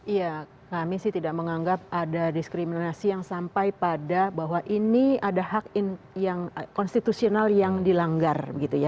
iya kami sih tidak menganggap ada diskriminasi yang sampai pada bahwa ini ada hak konstitusional yang dilanggar